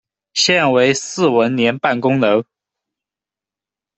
现为市文联办公楼。